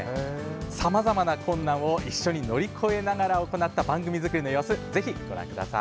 さまざまな困難を一緒に乗り越えながら行った番組作りの様子ご覧ください。